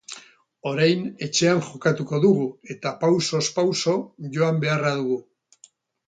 Orain etxean jokatuko dugu eta pausoz pauso joan beharra dugu.